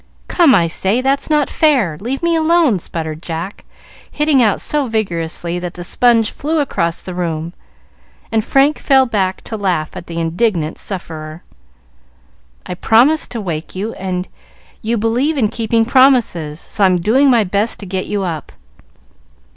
"Come, I say! That's not fair! Leave me alone!" sputtered Jack, hitting out so vigorously that the sponge flew across the room, and Frank fell back to laugh at the indignant sufferer. "I promised to wake you, and you believe in keeping promises, so I'm doing my best to get you up."